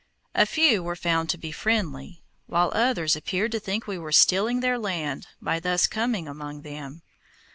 A few were found to be friendly, while others appeared to think we were stealing their land by thus coming among them.